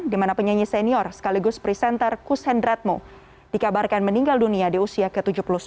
di mana penyanyi senior sekaligus presenter kus hendratmo dikabarkan meninggal dunia di usia ke tujuh puluh sembilan